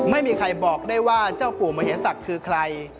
ไม่มีใครบอกได้ว่าเจ้าปู่มเหศักดิ์คือใคร